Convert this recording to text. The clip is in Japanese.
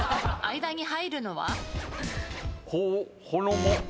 間に入るのは？